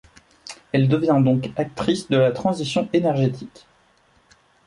Elle devient donc actrice de la transition énergétique.